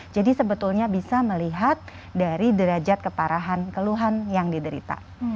jadi sebetulnya bisa melihat dari derajat keparahan keluhan yang diderita